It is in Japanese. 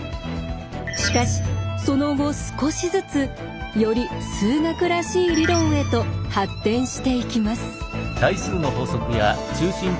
しかしその後少しずつより数学らしい理論へと発展していきます。